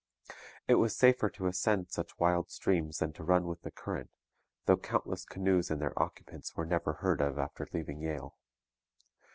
It was safer to ascend such wild streams than to run with the current, though countless canoes and their occupants were never heard of after leaving Yale.